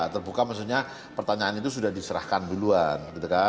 terbuka maksudnya pertanyaan itu sudah diserahkan duluan